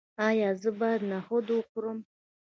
ایا زه باید نخود وخورم؟